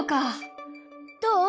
どう？